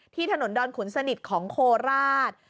ถนนดอนขุนสนิทของโคราช